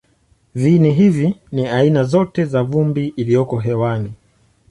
Viini hivi ni aina zote za vumbi iliyoko hewani.